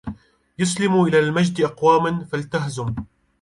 يسمو إلى المجد أقوام فتلهزهم